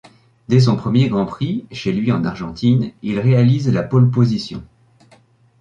Dès son premier Grand Prix, chez lui en Argentine, il réalise la pole position.